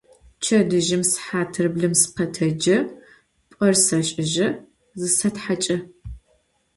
Pçedıjım sıhatır blım sıkhetecı, p'er seş'ıjı, zısethaç'ı.